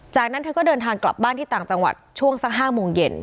จากนั้นเธอก็เดินทางกลับบ้านที่ต่างจังหวัดช่วงสัก๕โมงเย็น